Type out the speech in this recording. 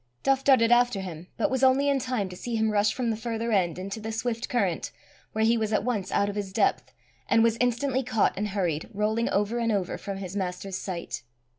Duff darted after him, but was only in time to see him rush from the further end into the swift current, where he was at once out of his depth, and was instantly caught and hurried, rolling over and over, from his master's sight.